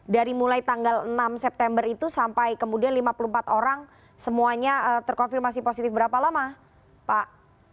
dari mulai tanggal enam september itu sampai kemudian lima puluh empat orang semuanya terkonfirmasi positif berapa lama pak